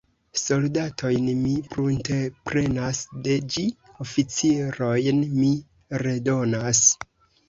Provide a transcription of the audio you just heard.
Soldatojn mi prunteprenas de ĝi, oficirojn mi redonas.